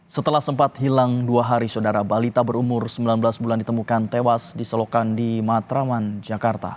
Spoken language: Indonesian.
setelah sempat hilang dua hari saudara balita berumur sembilan belas bulan ditemukan tewas di selokan di matraman jakarta